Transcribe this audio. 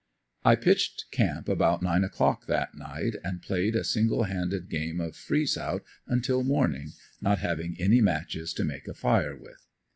I pitched camp about nine o'clock that night and played a single handed game of freeze out until morning, not having any matches to make a fire with.